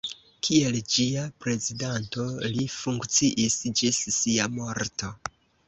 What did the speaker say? Kiel ĝia prezidanto li funkciis ĝis sia morto.